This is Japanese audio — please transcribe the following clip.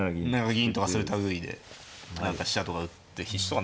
銀とかそういう類いで何か飛車とか打って必至とか